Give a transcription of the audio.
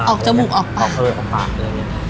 ออกจมูกออกปากออกจมูกออกปากอะไรอย่างเงี้ย